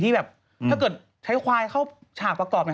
ที่แบบถ้าเค้าจนใช้ใครเขาชาบประกอบ